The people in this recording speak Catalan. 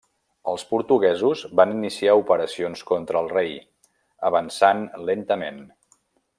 Els portuguesos van iniciar operacions contra el rei, avançant lentament.